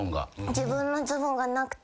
自分のズボンがなくて。